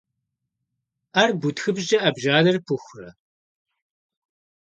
Ӏэр бутхыпщӀкӀэ, Ӏэбжьанэр пыхурэ?